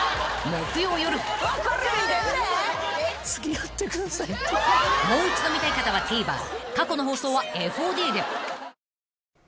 ［もう一度見たい方はＴＶｅｒ過去の放送はＦＯＤで］